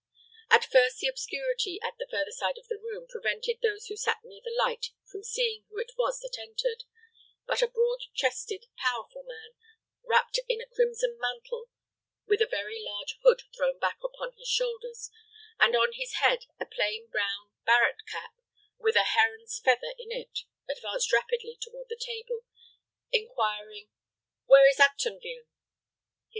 At first the obscurity at the further side of the room prevented those who sat near the light from seeing who it was that entered; but a broad chested, powerful man, wrapped in a crimson mantle, with a very large hood thrown back upon his shoulders, and on his head a plain brown barret cap with a heron's feather in it, advanced rapidly toward the table, inquiring, "Where is Actonville?"